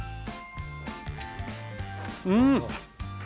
うん！